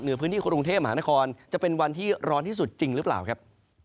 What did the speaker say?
พื้นที่กรุงเทพมหานครจะเป็นวันที่ร้อนที่สุดจริงหรือเปล่าครับ